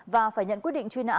và phải nhận quyết định truy nã